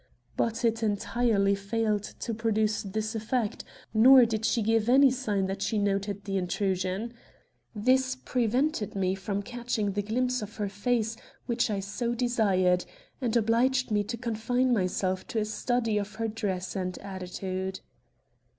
But it entirely failed to produce this effect, nor did she give any sign that she noted the intrusion. This prevented me from catching the glimpse of her face which I so desired, and obliged me to confine myself to a study of her dress and attitude.